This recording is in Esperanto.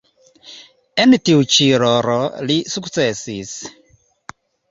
En tiu ĉi rolo li sukcesis.